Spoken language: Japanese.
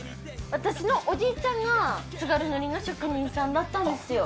私のおじいちゃんが津軽塗の職人さんだったんですよ